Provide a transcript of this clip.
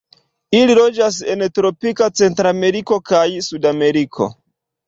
Ili loĝas en tropika Centrameriko kaj Sudameriko.